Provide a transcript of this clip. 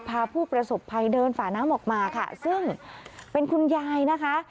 พาผู้ประสบภัยเดินฝาน้ำออกมาค่ะซึ่งเป็นคุณยายนะคะ